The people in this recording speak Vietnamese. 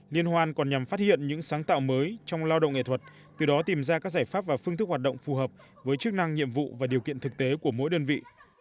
liên hoan còn nhằm phát hiện những sáng tạo mới trong lao động nghệ thuật từ đó tìm ra các giải pháp và phương thức hoạt động phù hợp với chức năng nhiệm vụ và điều kiện thực tế của mỗi đơn vị